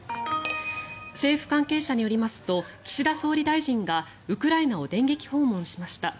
政府関係者によりますと岸田総理大臣がウクライナを電撃訪問しました。